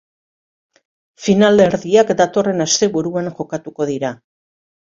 Finalerdiak datorren asteburuan jokatuko dira.